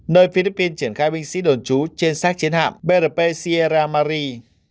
nơi philippines triển khai binh sĩ đồn trú trên sát chiến hạm brp sierra mari